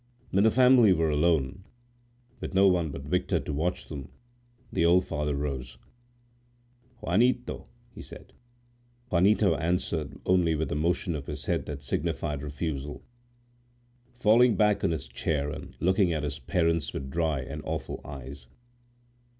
When the family were alone, with no one but Victor to watch them, the old father rose. "Juanito!" he said. Juanito answered only with a motion of his head that signified refusal, falling back into his chair, and looking at his parents with dry and awful eyes.